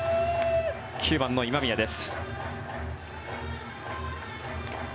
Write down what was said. ９番の今宮です。